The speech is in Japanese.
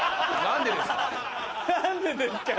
「何でですか？」